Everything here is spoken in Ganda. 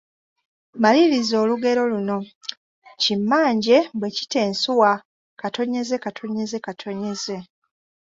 Maliriza olugero luno: Kimmanje bwe kita ensuwa, …..